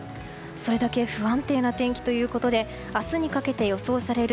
それだけ不安定な天気ということで明日にかけて予想される